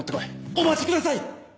お待ちください！